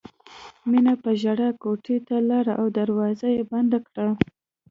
مینې په ژړا کوټې ته لاړه او دروازه یې بنده کړه